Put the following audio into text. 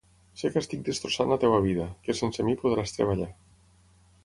Sé que estic destrossant la teua vida, que sense mi podràs treballar.